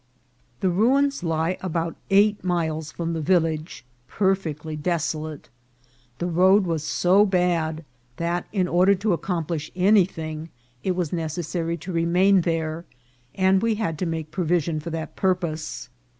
The ruins lie about eight miles from the village, per fectly desolate. The road was so bad, that, in order to accomplish anything, it was necessary to remain there, and we had to make provision for that purpose.